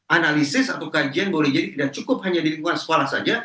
analisis atau kajian boleh jadi tidak cukup hanya di lingkungan sekolah saja